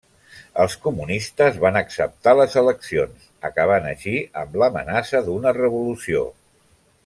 Els comunistes van acceptar les eleccions, acabant així amb l'amenaça d'una revolució.